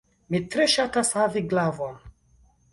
Mi tre ŝatas havi glavon.